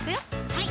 はい